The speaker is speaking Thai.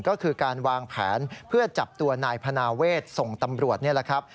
ก็คือการวางแผนเพื่อจับตัวนายพนาเวทส่งตำรวจนี่แหละครับ